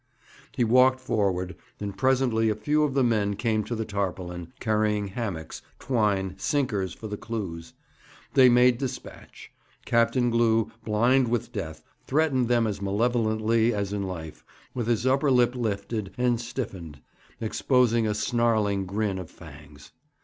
He walked forward, and presently a few of the men came to the tarpaulin, carrying hammocks, twine, sinkers for the clews. They made despatch. Captain Glew, blind with death, threatened them as malevolently as in life, with his upper lip lifted and stiffened, exposing a snarling grin of fangs.